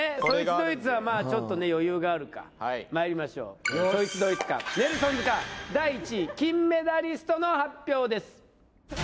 そいつどいつはまあちょっとね余裕があるかまいりましょうそいつどいつかネルソンズか第１位金メダリストの発表です